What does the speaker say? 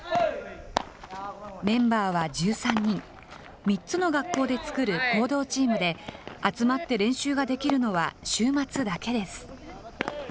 メンバーは１３人、３つの学校で作る合同チームで、集まって練習ができるのは、週末だけです。